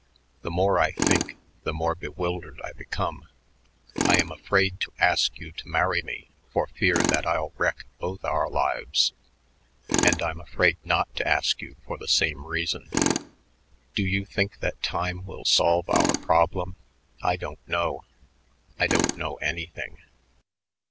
The more I think the more bewildered I become. I am afraid to ask you to marry me for fear that I'll wreck both our lives, and I'm afraid not to ask you for the same reason. Do you think that time will solve our problem? I don't know. I don't know anything."